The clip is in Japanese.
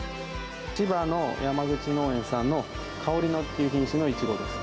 千葉の山口農園さんのかおり野っていう品種のいちごです。